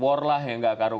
saya lebihari mengganggu kamu